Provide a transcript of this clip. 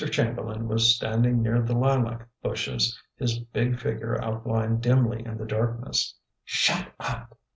Chamberlain was standing near the lilac bushes, his big figure outlined dimly in the darkness. "Shut up!"